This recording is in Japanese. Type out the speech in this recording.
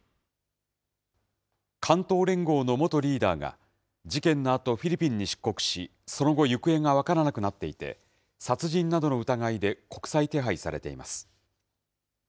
関東連合の元リーダーが、事件のあと、フィリピンに出国し、その後、行方が分からなくなっていて、殺人などの疑いで国際手配されています。